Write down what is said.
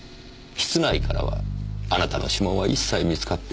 室内からはあなたの指紋は一切見つかっていません。